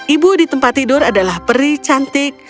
ibu di tempat tidur adalah peri cantik